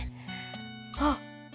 あっ！